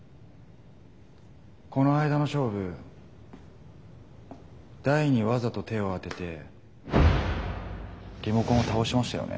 この間の勝負台にワザと手を当ててリモコンを倒しましたよね。